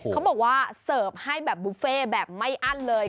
เขาบอกว่าเสิร์ฟให้แบบบุฟเฟ่แบบไม่อั้นเลย